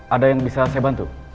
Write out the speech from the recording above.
ada yang bisa saya bantu